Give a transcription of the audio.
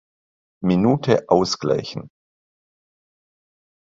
Minute ausgleichen.